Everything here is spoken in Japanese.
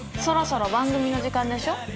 そろそろ番組の時間でしょ？